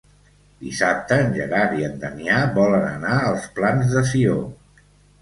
Dissabte en Gerard i en Damià volen anar als Plans de Sió.